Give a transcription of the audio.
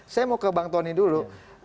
saya mau ke bang tony dulu